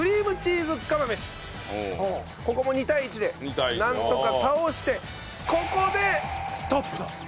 ここも２対１でなんとか倒してここでストップと。